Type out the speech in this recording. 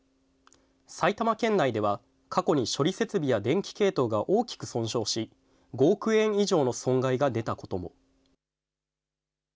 埼玉県内では過去に処理設備や電気系統が大きく損傷し、５億円以上の損害が出たことも。